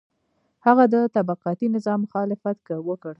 هغه د طبقاتي نظام مخالفت وکړ.